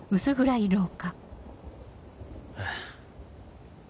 えっ。